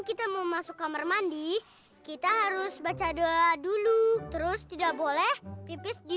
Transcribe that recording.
kita mau masuk kamar mandi kita harus baca doa dulu terus tidak boleh pipis di